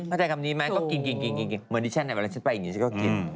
เข้าใจคำนี้ไหมก็กินเหมือนที่แชนแอลเวลาเช็ดไปอย่างนี้ก็กิน